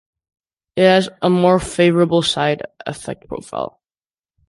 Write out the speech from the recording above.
It has a more favourable side effect profile.